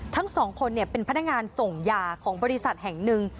ทั้งสองคนเป็นพนักงานส่งยาของบริษัทแห่งหนึ่ง